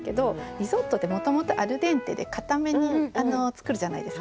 リゾットってもともとアルデンテで硬めに作るじゃないですか。